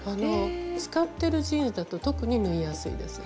使ってるジーンズだと特に縫いやすいです。